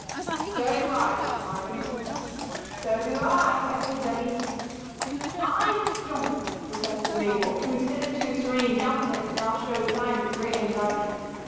"So do I," said Marjory. "So do I," echoed Bettie. "I don't," protested Mabel, whose hitherto serene countenance now showed signs of great anxiety.